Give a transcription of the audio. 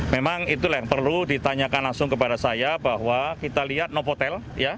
memang itulah yang perlu ditanyakan langsung kepada saya bahwa kita lihat novotel